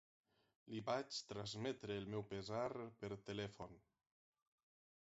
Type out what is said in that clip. Li vaig transmetre el meu pesar per telèfon.